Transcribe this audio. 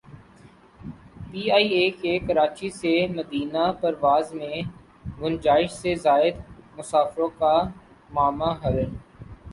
P I A کی کراچی سے مدینہ پرواز میں گنجائش سے زائد مسافروں کا معمہ حل